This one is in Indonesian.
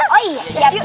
yuk yuk assalamualaikum